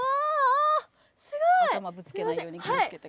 頭ぶつけないように気を付けて。